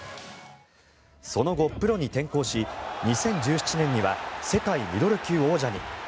その後、プロに転向し２０１７年には世界ミドル級王者に。